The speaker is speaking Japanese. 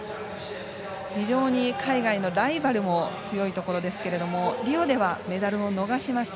非常に海外のライバルも強いところですけれどもリオではメダルを逃しました。